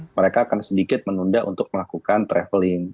mereka akan sedikit menunda untuk melakukan traveling